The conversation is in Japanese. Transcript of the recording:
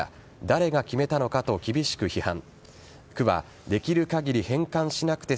誰が決めたのかと厳しく批判。